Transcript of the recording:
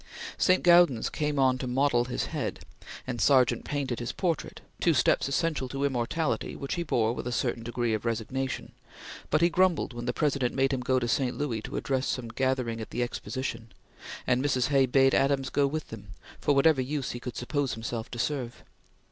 St. Gaudens came on to model his head, and Sargent painted his portrait, two steps essential to immortality which he bore with a certain degree of resignation, but he grumbled when the President made him go to St. Louis to address some gathering at the Exposition; and Mrs. Hay bade Adams go with them, for whatever use he could suppose himself to serve.